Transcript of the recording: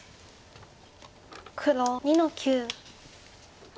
黒２の九。